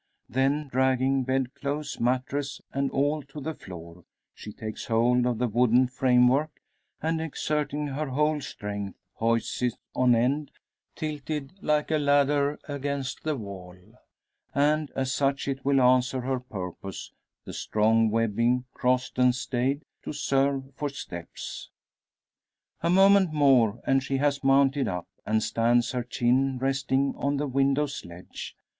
Then, dragging bed clothes, mattress, and all to the floor, she takes hold of the wooden framework; and, exerting her whole strength, hoists it on end, tilted like a ladder against the wall. And as such it will answer her purpose, the strong webbing, crossed and stayed, to serve for steps. A moment more, and she has mounted up, and stands, her chin resting on the window's ledge.